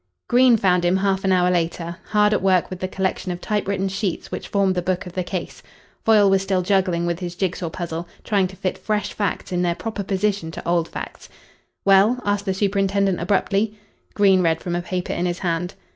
Green found him, half an hour later, hard at work with the collection of typewritten sheets which formed the book of the case. Foyle was still juggling with his jig saw puzzle, trying to fit fresh facts in their proper position to old facts. "Well?" asked the superintendent abruptly. Green read from a paper in his hand.